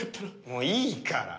もういいから。